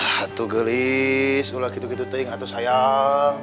aduh atuh gelis ulah gitu gitu neng atuh sayang